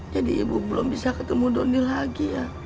ibu belum bisa ketemu doni lagi ya